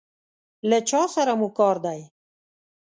له چا سره مو کار دی؟